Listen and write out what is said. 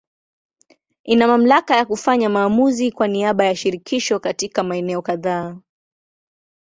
Ina mamlaka ya kufanya maamuzi kwa niaba ya Shirikisho katika maeneo kadhaa.